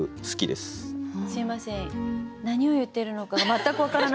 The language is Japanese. すいません